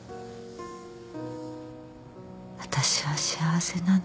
私は幸せなの。